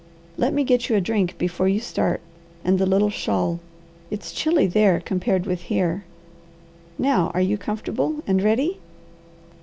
Let me get you a drink before you start and the little shawl. It's chilly there compared with here. Now are you comfortable and ready?"